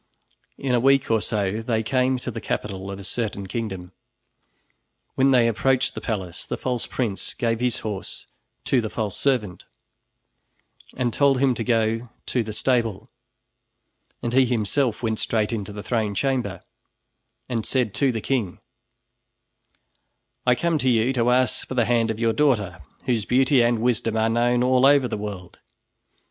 In a week or so they came to the capital of a certain kingdom. When they approached the palace, the false prince gave his horse to the false servant and told him to go to the stable, and he himself went straight into the throne chamber and said to the king: "I come to you to ask for the hand of your daughter, whose beauty and wisdom are known all over the world.